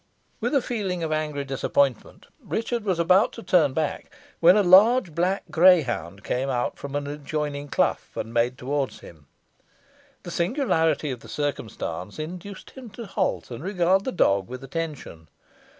With a feeling of angry disappointment, Richard was about to turn back, when a large black greyhound came from out an adjoining clough, and made towards him. The singularity of the circumstance induced him to halt and regard the dog with attention.